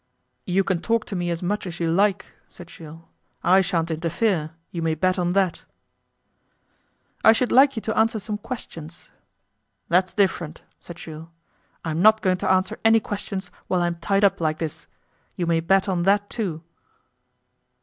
'You can talk to me as much as you like,' said Jules. 'I shan't interfere, you may bet on that.' 'I should like you to answer some questions.' 'That's different,' said Jules. 'I'm not going to answer any questions while I'm tied up like this. You may bet on that, too.